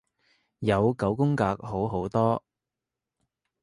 有九宮格好好多